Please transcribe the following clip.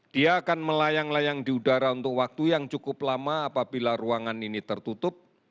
dia akan melayang layang di udara untuk waktu yang cukup lama apabila ruangan ini tertutup